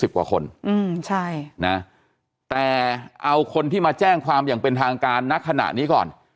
กว่าคนอืมใช่นะแต่เอาคนที่มาแจ้งความอย่างเป็นทางการณขณะนี้ก่อน